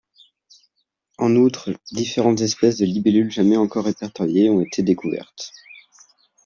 En outre, différentes espèces de libellules jamais encore repertoriées ont été découvertes.